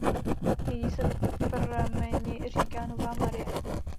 Nyní se prameni říká Nová Marie.